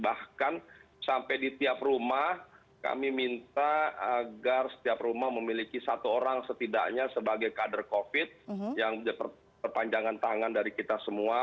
bahkan sampai di tiap rumah kami minta agar setiap rumah memiliki satu orang setidaknya sebagai kader covid yang perpanjangan tangan dari kita semua